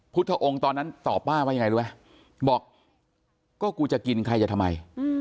พุทธองค์ตอนนั้นต่อป้าว่าอย่างไรบอกกูจะกินใครจะทำไม